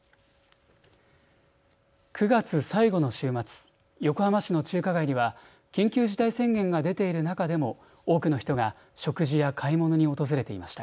９月最後の週末、横浜市の中華街には緊急事態宣言が出ている中でも多くの人が食事や買い物に訪れていました。